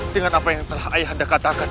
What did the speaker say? dengan apa yang telah ayah anda katakan